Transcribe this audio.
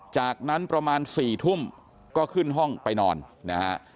จากนั้นประมาณ๔ทุ่มก็ขึ้นห้องไปนอนนะฮะ